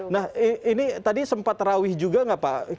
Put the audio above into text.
nah ini tadi sempat terawih juga nggak pak